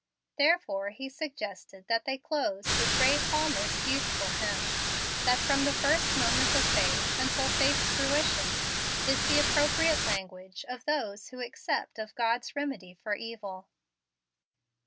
Therefore he suggested that they close with Ray Palmer's beautiful hymn, that from the first moment of faith, until faith's fruition, is the appropriate language of those who accept of God's remedy for evil.